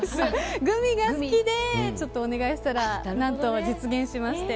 グミが好きで、ちょっとお願いしたら何と実現しまして。